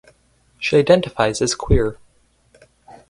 She identifies as queer.